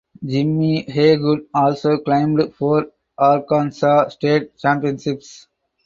Jimmy Haygood also claimed four Arkansas state championships.